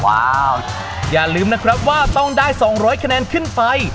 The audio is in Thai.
ว้าวอย่าลืมนะครับว่าต้องได้๒๐๐คะแนนขึ้นไป